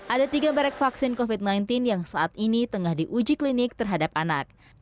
ada tiga merek vaksin covid sembilan belas yang saat ini tengah diuji klinik terhadap anak